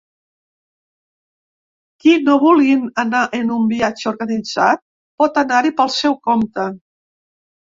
Qui no vulguin anar en un viatge organitzat pot anar-hi pel seu compte.